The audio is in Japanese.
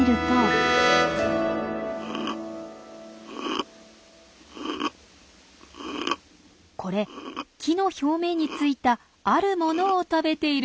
これ木の表面についたあるものを食べている音なんです。